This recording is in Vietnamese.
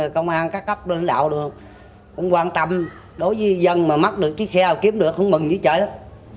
các cấp lãnh đạo cũng quan tâm đối với dân mà mắc được chiếc xe kiếm được không mừng gì trời lắm